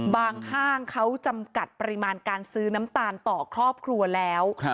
ห้างเขาจำกัดปริมาณการซื้อน้ำตาลต่อครอบครัวแล้ว